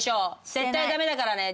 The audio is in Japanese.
絶対駄目だからね。